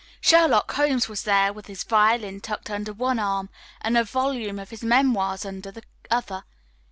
"Sherlock Holmes" was there with his violin tucked under one arm and a volume of his memoirs under the other.